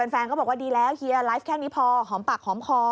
แฟนก็บอกว่าดีแล้วเฮียไลฟ์แค่นี้พอหอมปากหอมคอ